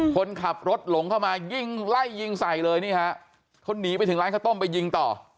คนขับรถหลงเข้ามายิงไล่ยิงใส่เลยนี่ฮะเขาหนีไปถึงร้านข้าวต้มไปยิงต่อ